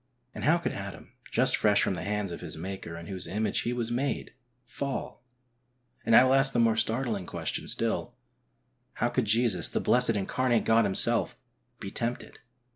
And how could Adam, just fresh from the hands of his Maker in whose image he was made, fall ? And I will ask the more startling question still, how could Jesus, the blessed incarnate God Himself, be tempted?